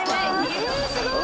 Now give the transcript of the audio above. ・えすごい！